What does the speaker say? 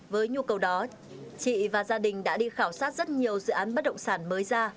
với nhu cầu đó chị và gia đình đã đi khảo sát rất nhiều dự án bất động sản mới ra